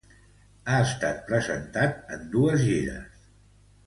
Ha estat presentat en dos gires.